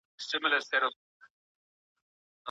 علمي مجله بې بودیجې نه تمویلیږي.